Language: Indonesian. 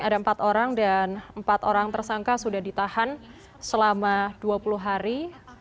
ada empat orang dan empat orang tersangka sudah ditahan selama dua puluh hari